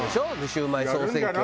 「シュウマイ総選挙」。